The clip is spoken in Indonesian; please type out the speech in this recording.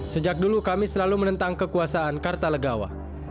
sejak dulu kami selalu menentang kekuasaan kartalegawa